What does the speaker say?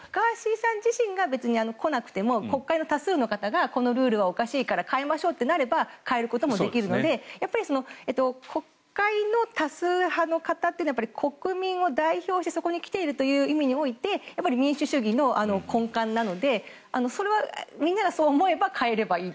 さん自身が別に来なくても国会の多数の方がこのルールはおかしいから変えましょうとなれば変えることもできるので国会の多数派の方というのは国民を代表してそこに来ているという意味において民主主義の根幹なのでそれはみんながそう思えば変えればいいと。